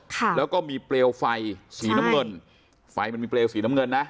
ค่ะแล้วก็มีเปลวไฟสีน้ำเงินไฟมันมีเปลวสีน้ำเงินนะ